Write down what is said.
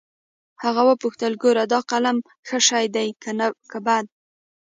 هغه وپوښتل ګوره دا قلم ښه شى ديه که بد.